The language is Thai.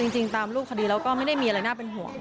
จริงตามรูปคดีแล้วก็ไม่ได้มีอะไรน่าเป็นห่วง